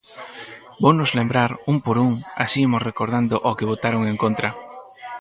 Vounos lembrar, un por un, así imos recordando ao que votaron en contra.